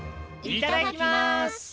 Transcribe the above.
いただきます